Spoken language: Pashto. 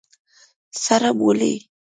🫜 سره مولي